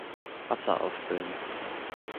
Wasser auffüllen.